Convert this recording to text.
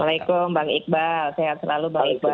waalaikumsalam bang iqbal sehat selalu bang iqbal